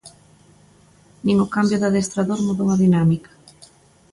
Nin o cambio de adestrador mudou a dinámica.